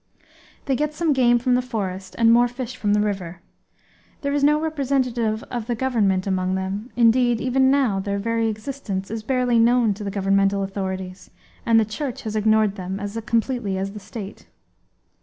They get some game from the forest, and more fish from the river. There is no representative of the government among them indeed, even now their very existence is barely known to the governmental authorities; and the church has ignored them as completely as the state.